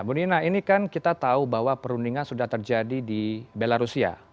bu nina ini kan kita tahu bahwa perundingan sudah terjadi di belarusia